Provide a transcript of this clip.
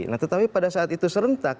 nah tetapi pada saat itu serentak